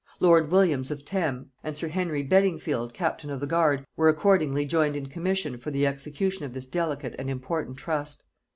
Lord Williams of Thame, and sir Henry Beddingfield captain of the guard, were accordingly joined in commission for the execution of this delicate and important trust.